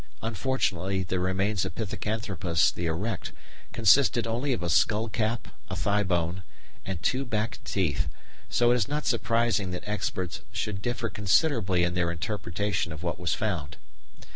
Unfortunately the remains of Pithecanthropus the Erect consisted only of a skull cap, a thigh bone, and two back teeth, so it is not surprising that experts should differ considerably in their interpretation of what was found.